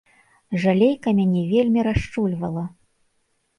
Жалейка мяне вельмі расчульвала.